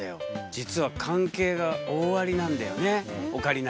実は関係が大ありなんだよねオカリナ。